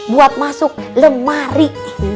buat masuk lemari